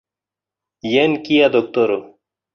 Jen kia doktoro!